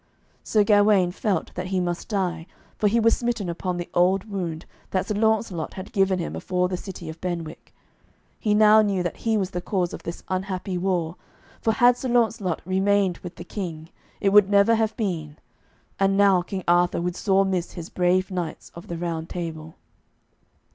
Sir Gawaine felt that he must die, for he was smitten upon the old wound that Sir Launcelot had given him afore the city of Benwick. He now knew that he was the cause of this unhappy war, for had Sir Launcelot remained with the King, it would never have been, and now King Arthur would sore miss his brave knights of the Round Table.